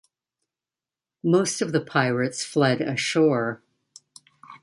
Most of the pirates fled ashore.